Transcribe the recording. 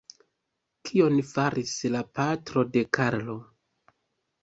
Kion faris la patro de Karlo?